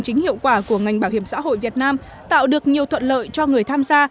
chính hiệu quả của ngành bảo hiểm xã hội việt nam tạo được nhiều thuận lợi cho người tham gia